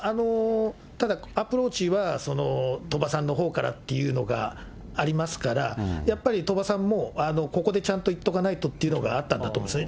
ただ、アプローチは鳥羽さんのほうからっていうのがありますから、やっぱり鳥羽さんも、ここでちゃんと言っとかないとっていうのがあったんだと思います。